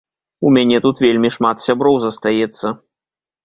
У мяне тут вельмі шмат сяброў застаецца.